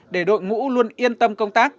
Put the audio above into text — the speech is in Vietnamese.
để đội ngũ luôn yên tâm công tác